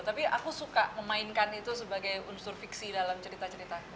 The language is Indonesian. tapi aku suka memainkan itu sebagai unsur fiksi dalam cerita cerita aku